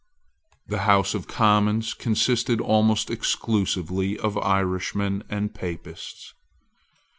The House of Commons consisted almost exclusively of Irishmen and Papists.